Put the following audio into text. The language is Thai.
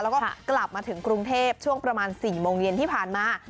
แล้วก็กลับมาถึงกรุงเทพช่วงประมาณ๔โมงเย็นที่ผ่านมา